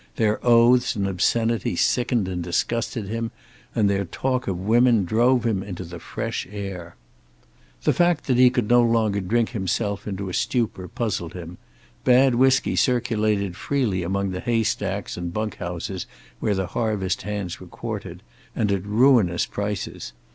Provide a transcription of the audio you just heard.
Their oaths and obscenity sickened and disgusted him, and their talk of women drove him into the fresh air. The fact that he could no longer drink himself into a stupor puzzled him. Bad whiskey circulated freely among the hay stacks and bunk houses where the harvest hands were quartered, and at ruinous prices.